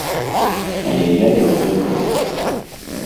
Але я яго добра ведаю.